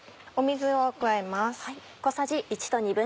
水を加えます。